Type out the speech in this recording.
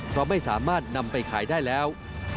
เพราะไม่สามารถนำไปขายได้แล้ว